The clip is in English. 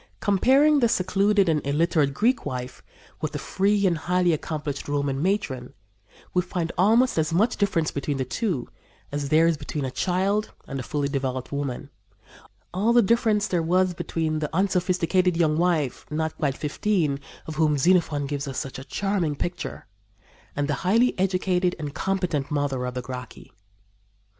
Comparing the secluded and illiterate Greek wife with the free and highly accomplished Roman matron, we find almost as much difference between the two as there is between a child and a fully developed woman all the difference there was between the unsophisticated young wife, not quite fifteen, of whom Xenophon gives us such a charming picture, and the highly educated and competent mother of the Gracchi.